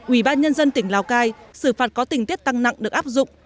ủy ban nhân dân tỉnh lào cai xử phạt có tình tiết tăng nặng được áp dụng